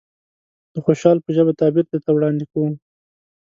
د خوشحال په ژبه تعبير درته وړاندې کوم.